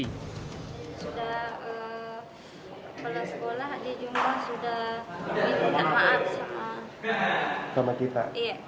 sudah kepala sekolah di jumlah sudah minta maaf